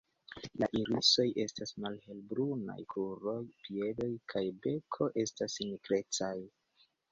La irisoj estas malhelbrunaj; kruroj, piedoj kaj beko estas nigrecaj.